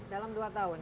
dalam dua tahun